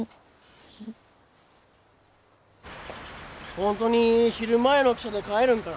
本当に昼前の汽車で帰るんかな？